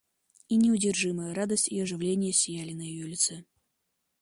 И неудержимая радость и оживление сияли на ее лице.